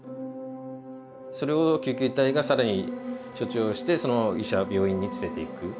それを救急隊が更に処置をしてその医者病院に連れていく。